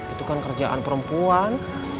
itu kan kerjaan perempuan